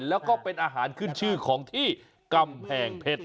แล้วก็เป็นอาหารขึ้นชื่อของที่กำแพงเพชร